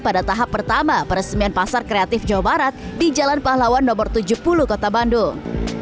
pada tahap pertama peresmian pasar kreatif jawa barat di jalan pahlawan nomor tujuh puluh kota bandung